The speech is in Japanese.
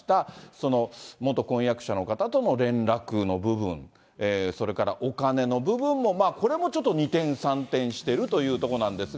その元婚約者の方との連絡の部分、それからお金の部分も、これもちょっと二転、三転しているということなんですが。